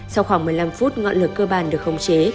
sau khoảng một mươi năm phút ngọn lửa cơ bản được khống chế